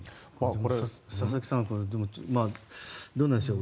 佐々木さんどうなんでしょう。